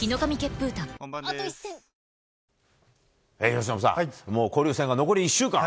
由伸さん、もう交流戦が残り１週間。